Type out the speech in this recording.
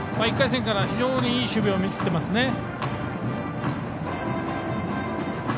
１回戦から非常にいい守備を見せてますね。